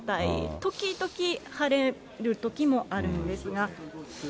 ときどき晴れるときもあるんですが。